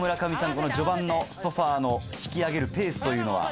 この序盤のソファの引き上げるペースというのは。